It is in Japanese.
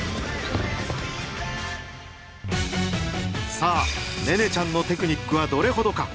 さあ寧音ちゃんのテクニックはどれほどか！